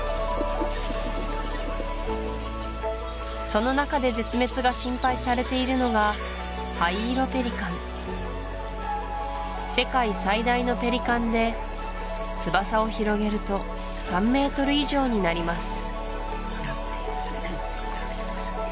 その中で絶滅が心配されているのがハイイロペリカン世界最大のペリカンで翼を広げると３メートル以上になります